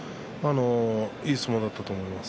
いい相撲だったと思います。